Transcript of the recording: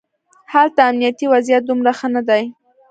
هلته امنیتي وضعیت دومره ښه نه دی.